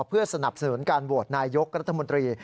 เพื่อสนับสนุนการโหวตนายกรัฐมนตรี